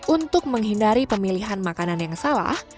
untuk menghindari pemilihan makanan yang salah